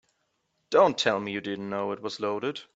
Don't tell me you didn't know it was loaded.